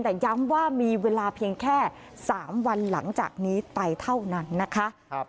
แต่ย้ำว่ามีเวลาเพียงแค่๓วันหลังจากนี้ไปเท่านั้นนะคะ